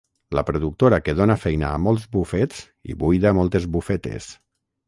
La productora que dóna feina a molts bufets i buida moltes bufetes.